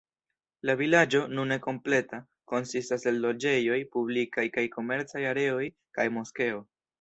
La vilaĝo, nune kompleta, konsistas el loĝejoj, publikaj kaj komercaj areoj, kaj moskeo.